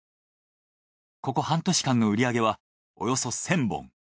ここ半年間の売り上げはおよそ１，０００本。